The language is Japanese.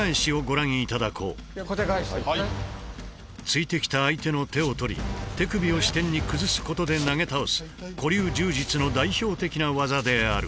突いてきた相手の手を取り手首を支点に崩すことで投げ倒す古流柔術の代表的な技である。